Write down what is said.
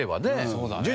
そうだね。